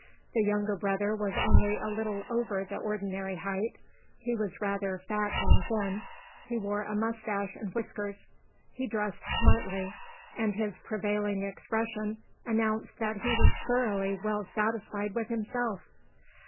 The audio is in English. The younger brother was only a little over the ordinary height; he was rather fat than thin; he wore a moustache and whiskers; he dressed smartly and his prevailing expression announced that he was thoroughly well satisfied with himself.